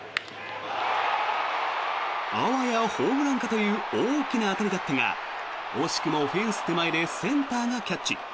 あわやホームランかという大きな当たりだったが惜しくもフェンス手前でセンターがキャッチ。